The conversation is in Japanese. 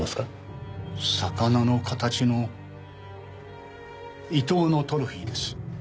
魚の形のイトウのトロフィーです。